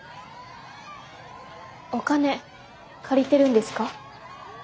お金借りてるんですか？